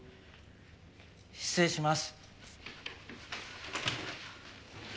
失礼します。